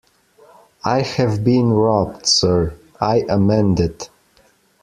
I have been robbed, sir, I amended.